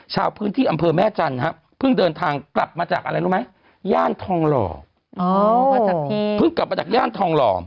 ชาวพื้นที่อำเภอแม่จันทร์เพิ่งเดินทางกลับมาจากย่านทองหล่อ